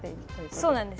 そうなんです。